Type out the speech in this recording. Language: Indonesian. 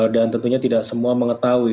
dan tentunya tidak semua mengetahui